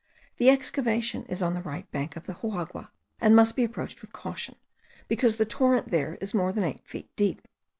The excavation is on the right bank of the river Juagua, and must be approached with caution, because the torrent there is more than eight feet deep.